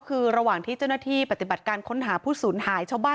คือระหว่างที่เจ้าหน้าที่ปฏิบัติการค้นหาผู้สูญหายชาวบ้าน